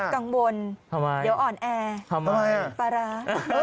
กลางบนเดี๋ยวอ่อนแอร์ปลาร้า